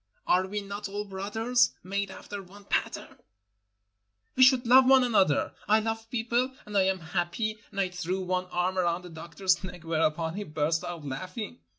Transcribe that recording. Are we not all brothers, made after one pattern? We should love one another. I love people, and I am happy, and I threw one arm around the doctor's neck, whereupon he burst out laughing.